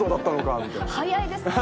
早いですね。